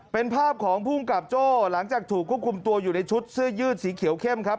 เป็นภาพของภูมิกับโจ้หลังจากถูกควบคุมตัวอยู่ในชุดเสื้อยืดสีเขียวเข้มครับ